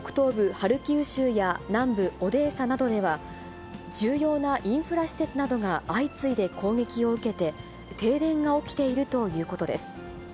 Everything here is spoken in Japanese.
ハルキウ州や、南部オデーサなどでは、重要なインフラ施設などが相次いで攻撃を受けて、停電が起きているということです。